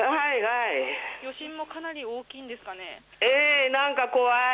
余震もかなり大きいんですかね？